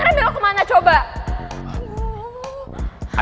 makanya belok kemana coba